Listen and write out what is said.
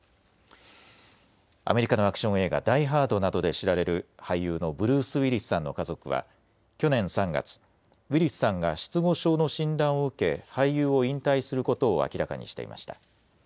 アメリカのアクション映画、ダイ・ハードなどで知られる俳優のブルース・ウィリスさんの家族は去年３月、ウィリスさんが失語症の診断を受け俳優を引退することを明らかにしていました。